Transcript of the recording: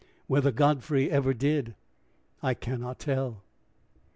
Whether Godfrey ever did, I can not tell.